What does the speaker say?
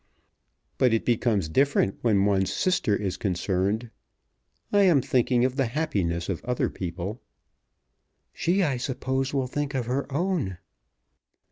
"But it becomes different when one's sister is concerned. I am thinking of the happiness of other people." "She, I suppose, will think of her own."